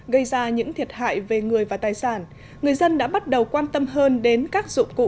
gây ra những thiệt hại về người và tài sản người dân đã bắt đầu quan tâm hơn đến các dụng cụ